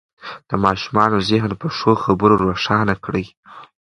د ماشومانو ذهن په ښو خبرو روښانه کړئ.